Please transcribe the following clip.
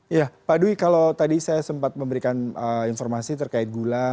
iya pak dwi kalau tadi saya sempat memberikan informasi terkait gula